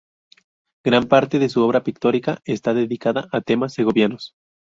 Gran parte de su obra pictórica está dedicada a temas segovianos.